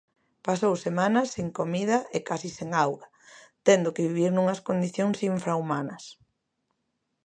Pasou semanas sen comida e case sen auga, tendo que vivir nunhas condicións infrahumanas.